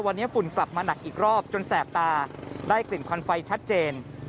วันนี้ฝุ่นกลับมาหนักอีกรอบจนแสบตาได้กลิ่นควันไฟชัดเจน